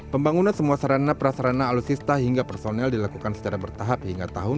pembangunan semua sarana prasarana alutsista hingga personel dilakukan secara bertahap hingga tahun dua ribu dua puluh